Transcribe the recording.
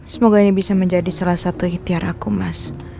semoga ini bisa menjadi salah satu ihtiar aku mas